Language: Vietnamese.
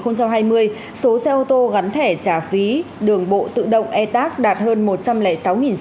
năm hai nghìn hai mươi số xe ô tô gắn thẻ trả phí đường bộ tự động e tac đạt hơn một trăm linh sáu xe